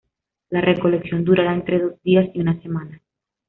La recolección durará entre dos días y una semana.